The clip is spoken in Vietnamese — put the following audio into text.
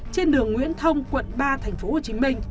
trên đường nguyễn thông quận ba tp hcm